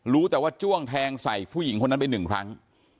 รู้แต่ว่าจ้วงแทงใส่ผู้หญิงคนนั้นไปหนึ่งครั้ง